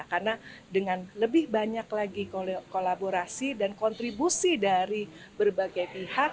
karena dengan lebih banyak lagi kolaborasi dan kontribusi dari berbagai pihak